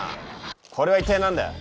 これは一体何だ？